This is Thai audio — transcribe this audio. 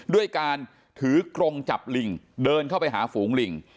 ด้วยการถือกรงจับลิงเดินเข้าไปหาฝูงลิง